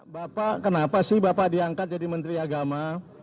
bapak kenapa sih bapak diangkat jadi menteri agama